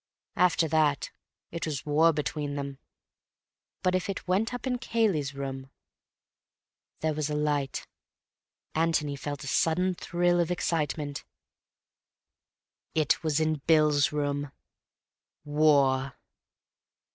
After that, it was war between them. But if it went up in Cayley's room— There was a light. Antony felt a sudden thrill of excitement. It was in Bill's room. War!